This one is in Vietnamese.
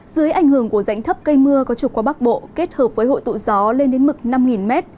dưới ảnh hưởng của rãnh thấp cây mưa có trục qua bắc bộ kết hợp với hội tụ gió lên đến mực năm m